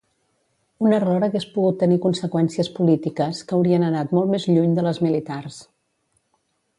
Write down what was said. Un error hagués pogut tenir conseqüències polítiques, que haurien anat molt més lluny de les militars.